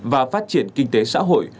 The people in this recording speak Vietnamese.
và phát triển kinh tế xã hội